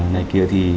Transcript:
ngay kia thì